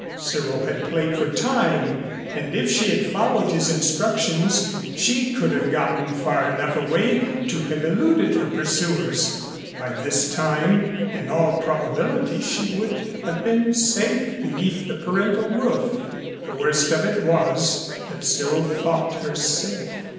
Cyril had played for time, and if she had followed his instructions she could have gotten far enough away to have eluded her pursuers. By this time, in all probability, she would have been safe beneath the parental roof. The worst of it was that Cyril thought her safe.